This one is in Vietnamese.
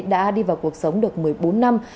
đã đi vào cuộc sống được một mươi bốn năm